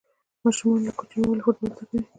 ماشومان له کوچنیوالي فوټبال زده کوي.